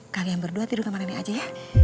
kalian berdua tidur ke kamar nek aja ya